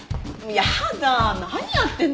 やだあ何やってるの！？